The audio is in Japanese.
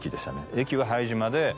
駅は拝島で。